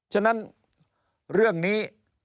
ฉะนั้นเรื่องนี้